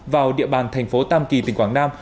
vào địa bàn thành phố tam kỳ tỉnh quảng nam